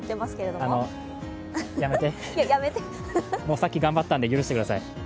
もうさっき頑張ったので、許してください。